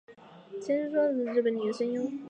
千千松幸子是日本的女性声优。